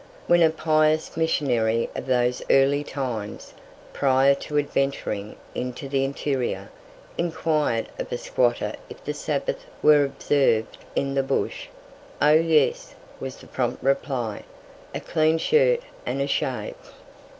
When a pious missionary of those early times, prior to adventuring into the interior, inquired of a squatter if the Sabbath were observed in the bush, "Oh, yes," was the prompt reply, "a clean shirt and a shave."